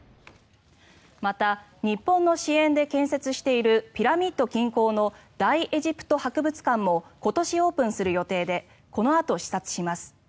また日本の支援で建設しているピラミッド近郊の大エジプト博物館も今年オープンする予定でこのあと視察します。